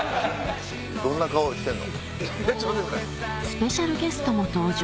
どんな顔してんの？